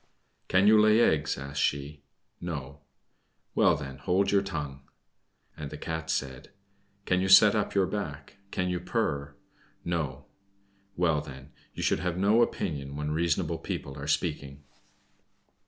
"Can you lay eggs?" asked she. "No." "Well, then, hold your tongue." And the Cat said, "Can you set up your back? Can you purr?" "No." "Well, then, you should have no opinion when reasonable people are speaking."